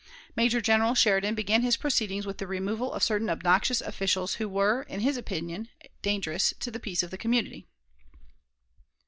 Major General Sheridan began his proceedings with the removal of certain obnoxious officials who were, in his opinion, dangerous to the peace of the community.